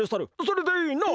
それでいいな？